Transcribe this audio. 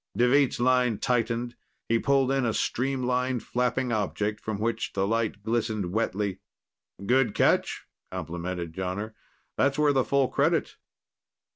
Deveet's line tightened. He pulled in a streamlined, flapping object from which the light glistened wetly. "Good catch," complimented Jonner. "That's worth a full credit."